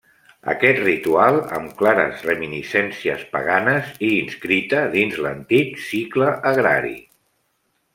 Aquest ritual amb clares reminiscències paganes i inscrita dins l'antic cicle agrari.